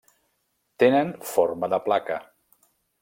Tenen forma de placa.